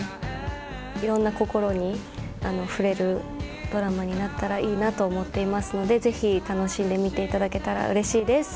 いろんな心に触れるドラマになったらいいなと思っていますのでぜひ楽しんで見ていただけたらうれしいです。